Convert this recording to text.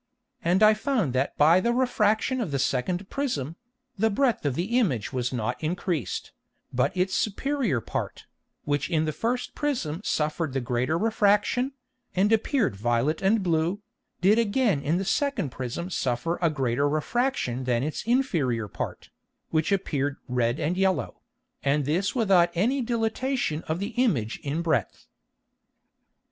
And I found that by the Refraction of the second Prism, the breadth of the Image was not increased, but its superior part, which in the first Prism suffered the greater Refraction, and appeared violet and blue, did again in the second Prism suffer a greater Refraction than its inferior part, which appeared red and yellow, and this without any Dilatation of the Image in breadth.